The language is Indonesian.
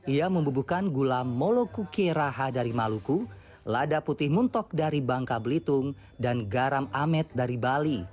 ia membubuhkan gula molokukie raha dari maluku lada putih muntok dari bangka belitung dan garam amet dari bali